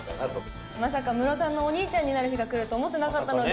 まさかムロさんのお兄ちゃんになる日が来ると思ってなかったので。